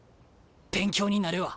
勉強になるわ。